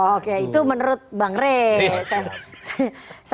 oke itu menurut bang rey